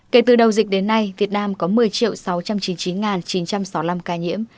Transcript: kể từ đầu dịch đến nay việt nam có một mươi sáu trăm chín mươi chín chín trăm sáu mươi năm ca nhiễm